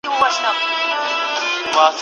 نادر لوټ کړې خزانې د مغولانو